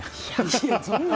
いや、そんな。